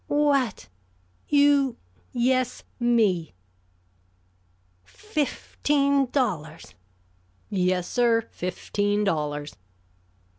"What! You " "Yes, me!" "Fifteen dollars!" "Yes, sir, fifteen dollars."